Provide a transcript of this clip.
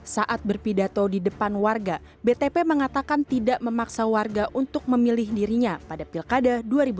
saat berpidato di depan warga btp mengatakan tidak memaksa warga untuk memilih dirinya pada pilkada dua ribu tujuh belas